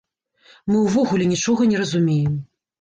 Мы ўвогуле нічога не разумеем.